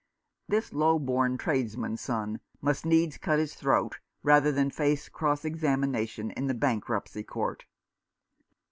This low born trades man's son must needs cut his throat, rather than face cross examination in the Bankruptcy Court.